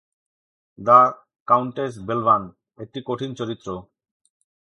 The countess Belvane: একটি কঠিন চরিত্র।